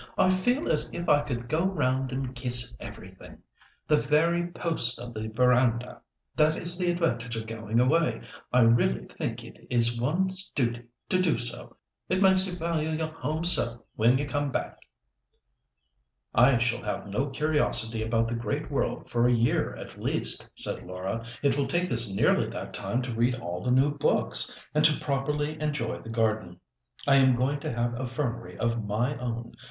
I feel as if I could go round and kiss everything—the very posts of the verandah. That is the advantage of going away. I really think it is one's duty to do so; it makes you value your home so when you come back." "I shall have no curiosity about the great world for a year at least," said Laura. "It will take us nearly that time to read all the new books; and to properly enjoy the garden, I am going to have a fernery of my own.